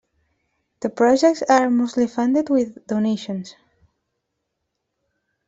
The projects are mostly funded with donations.